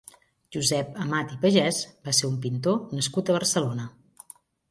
Josep Amat i Pagès va ser un pintor nascut a Barcelona.